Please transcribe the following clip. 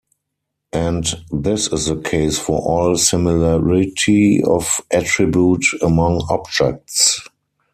And this is the case for all similarity of attribute among objects.